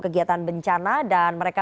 kegiatan bencana dan mereka